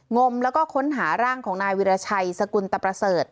งมแล้วก็ค้นหาร่างของนายวิราชัยสกุลตะประเสริฐ